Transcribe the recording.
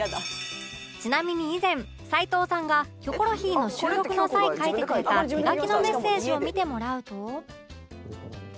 ちなみに以前齊藤さんが『キョコロヒー』の収録の際書いてくれた手書きのメッセージを見てもらうと